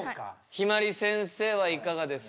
ひまりせんせいはいかがですか？